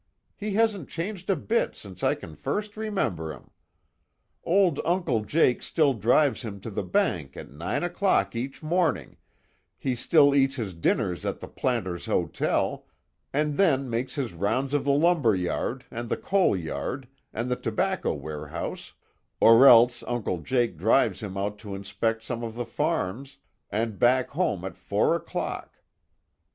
He hasn't changed a bit since I can first remember him. Old Uncle Jake still drives him to the bank at nine o'clock each morning, he still eats his dinners at the Planter's Hotel, and then makes his rounds of the lumber yard, and the coal yard, and the tobacco warehouse, or else Uncle Jake drives him out to inspect some of his farms, and back home at four o'clock.